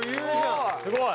すごい！